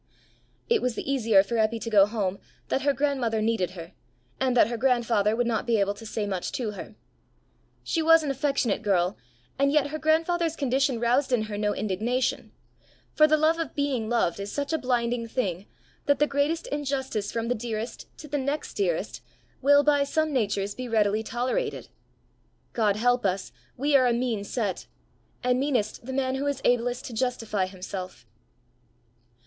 It was the easier for Eppy to go home that her grandmother needed her, and that her grandfather would not be able to say much to her. She was an affectionate girl, and yet her grandfather's condition roused in her no indignation; for the love of being loved is such a blinding thing, that the greatest injustice from the dearest to the next dearest will by some natures be readily tolerated. God help us! we are a mean set and meanest the man who is ablest to justify himself!